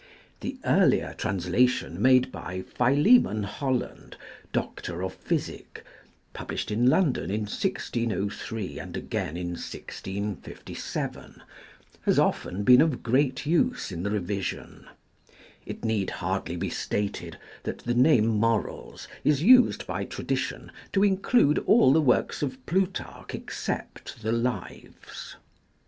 The earlier translation made by Philemon Holland, Doctor of Physick, published in London in 1003 and a^ain in 1657, has often been of great use in the revision. It hardly need be stated, that the name "Morals" is used by tradition to include all the works of Plutarch except the Lives.